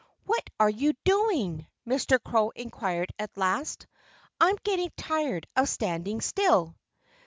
"What are you doing?" Mr. Crow inquired at last. "I'm getting tired of standing still."